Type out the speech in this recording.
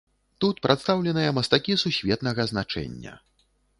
Тут прадстаўленыя мастакі сусветнага значэння.